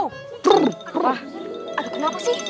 ada kena apa sih